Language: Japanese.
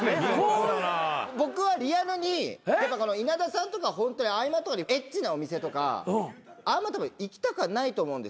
僕はリアルに稲田さんとか合間とかにエッチなお店とかあんまたぶん行きたくはないと思うんですよ